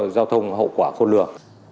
giao thông hậu quả khôn lừa